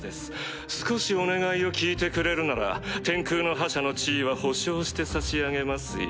少しお願いを聞いてくれるなら天空の覇者の地位は保証してさしあげますよ